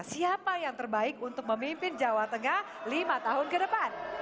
siapa yang terbaik untuk memimpin jawa tengah lima tahun ke depan